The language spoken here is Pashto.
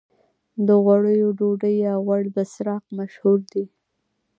د غوړیو ډوډۍ یا غوړي بسراق مشهور دي.